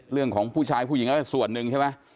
เรื่องของผู้ชายผู้หญิงอะไรส่วนหนึ่งใช่ไหม